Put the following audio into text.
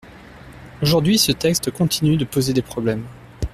Aujourd’hui, ce texte continue de poser des problèmes.